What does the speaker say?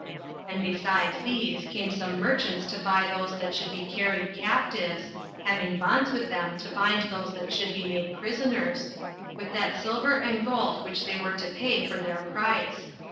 And besides these came some merchants to buy those that should be carried captives, [having bonds with them to bind those that should be made prisoners,] with that silver and gold which they were to pay for their price.